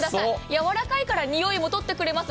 やわらかいからにおいも取ってくれます。